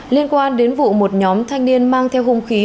liên quan đến vụ một nhóm thanh niên mang theo hung khí